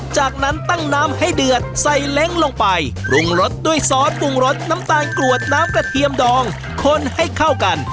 จากนั้นตั้งน้ำให้เดือดใส่เล้งลงไปปรุงรสด้วยซอสปรุงรสน้ำตาลกรวดน้ำกระเทียมดองคนให้เข้ากัน